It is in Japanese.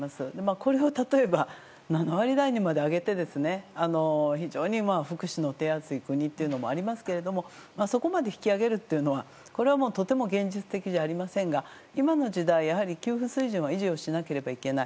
これを例えば７割台までに上げて非常に福祉の手厚い国というのもありますけどそこまで引き上げるってのはこれはとても現実的じゃありませんが今の時代、やはり給付水準は維持しないといけない。